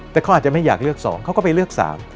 แต่เขาอาจจะไม่อยากเลือก๒เขาก็ไปเลือก๓